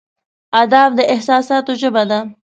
ادب د احساساتو ژبه ده.